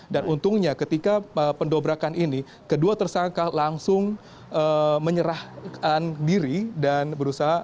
dan untungnya ketika pendobrakan ini kedua tersangka langsung menyerahkan diri dan berusaha